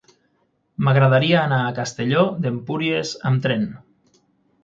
M'agradaria anar a Castelló d'Empúries amb tren.